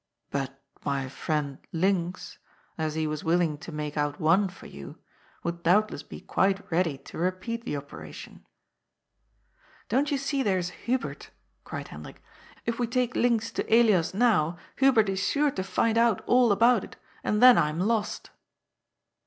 ^^ But my friend Linx, as he was willing to make out one for you, would doubtless be quite ready to repeat the oper ation." " Don't you see there is Hubert ?" cried Hendrik. " If we take Linx to Elias now, Hubert is sure to find out all about it, and then I am lost."